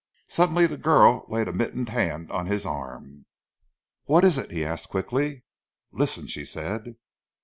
Suddenly the girl laid a mittened hand on his arm. "What is it?" he asked quickly. "Listen!" she said.